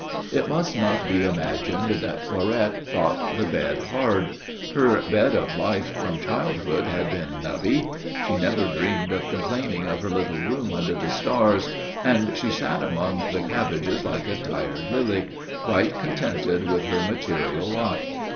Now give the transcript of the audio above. It must not be imagined that Fleurette thought the bed hard. Her bed of life from childhood had been nubbly. She never dreamed of complaining of her little room under the stars, and she sat among the cabbages like a tired lily, quite contented with her material lot.